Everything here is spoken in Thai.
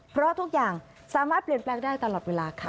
เพราะทุกอย่างสามารถเปลี่ยนแปลงได้ตลอดเวลาค่ะ